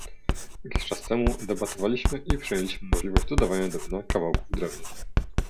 Jakiś czas temu debatowaliśmy i przyjęliśmy możliwość dodawania do wina kawałków drewna